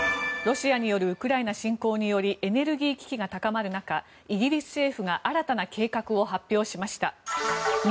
ロシアによるウクライナ侵攻でエネルギー危機が高まる中イギリス政府が新たな計画を発表しました。